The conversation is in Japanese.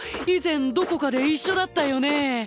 以前どこかで一緒だったよね？